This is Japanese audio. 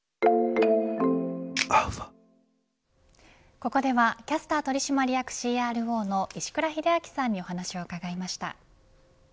ここではキャスター取締役ＣＲＯの石倉秀明さんにお話を伺いました。